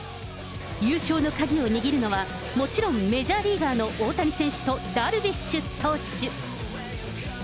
優勝の鍵を握るのは、もちろん、メジャーリーガーの大谷選手とダルビッシュ投手。